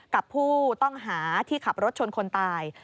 กับผู้ต้องหาที่ขับรถชนคนตาย